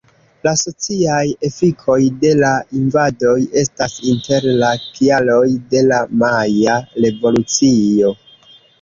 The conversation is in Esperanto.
La sociaj efikoj de la invadoj estas inter la kialoj de la Maja Revolucio.